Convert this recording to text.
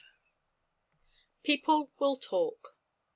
PEOPLE WILL TALK.